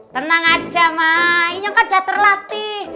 tenang aja mah ini kan udah terlatih